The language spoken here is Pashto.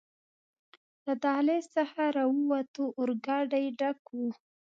له دهلېز څخه راووتو، اورګاډی ډک و.